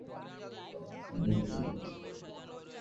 সকলে সঙ্গে সঙ্গে চলিল।